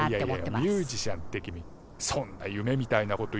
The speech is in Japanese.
いやいやいやミュージシャンって君そんな夢みたいなこと言って。